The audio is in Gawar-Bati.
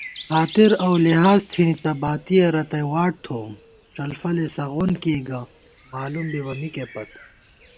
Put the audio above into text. خاطر اؤ لحاظ تِھنی تہ باتِیَہ رتئ واٹ تھووُم * ڄلفَلے سغون کېئی گہ مالُوم بِبہ مِکے پت